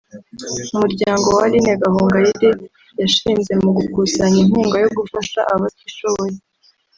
Umuryango Aline Gahongayire yashinze mu gukusanya inkunga yo gufasha abatishoboye